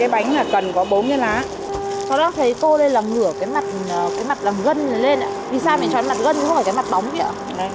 tại sao mình chọn cái mặt gân chứ không phải cái mặt bóng kia ạ